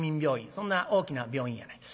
そんな大きな病院やない。